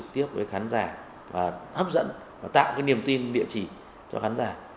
tạo cái niềm tin địa chỉ cho khán giả